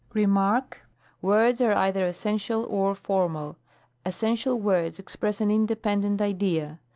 Mem. — ^Words are either essential or formal. Essential words express an independent idea.